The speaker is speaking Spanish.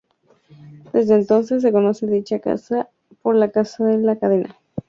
Desde entonces, se conoce dicha casa por la Casa de la Cadena.